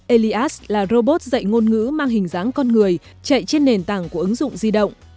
elias là robot dạy ngôn ngữ mang hình dáng con người chạy trên nền tảng của ứng dụng di động